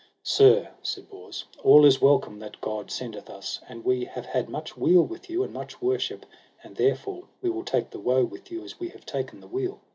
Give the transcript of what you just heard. Sir, said Bors, all is welcome that God sendeth us, and we have had much weal with you and much worship, and therefore we will take the woe with you as we have taken the weal.